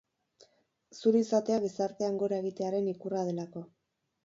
Zuri izatea gizartean gora egitearen ikurra delako.